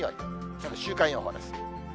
さて、週間予報です。